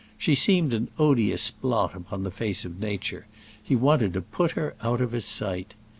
She seemed an odious blot upon the face of nature; he wanted to put her out of his sight.